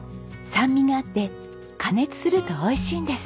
酸味があって加熱するとおいしいんです。